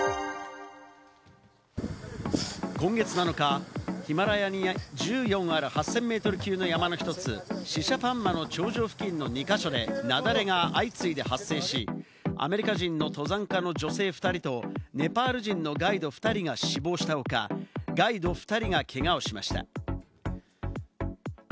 今月７日、ヒマラヤに１４ある、８０００ｍ級の山の１つ、シシャパンマの頂上付近の２か所で雪崩が相次いで発生し、アメリカ人の登山家の女性２人とネパール人のガイド２人が死亡した他、ガイド２人が、けがをしました。